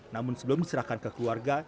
namun sebelum diserahkan ke keluarga